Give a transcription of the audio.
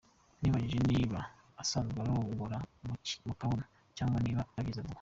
Nibajije niba asanzwe arongora mu kabuno cyangwa niba abyize vuba.